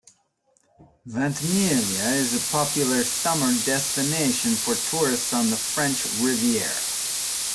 Ventimiglia is a popular summer destination for tourists on the French Riviera.